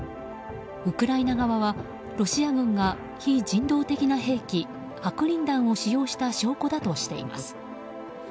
ウクライナ側はロシア軍が非人道的な兵器白リン弾を使用した証拠だとしています。